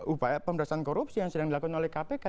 upaya pemberantasan korupsi yang sedang dilakukan oleh kpk